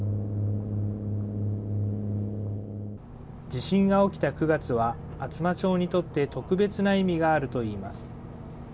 地震が起きた９月は、厚真町にとって特別な意味があるといいます。